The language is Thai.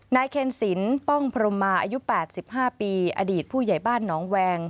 เคนศิลป้องพรมมาอายุ๘๕ปีอดีตผู้ใหญ่บ้านหนองแวง